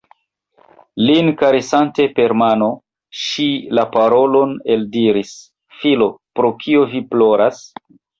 Lin karesante per mano, ŝi la parolon eldiris: « Filo, pro kio vi ploras?"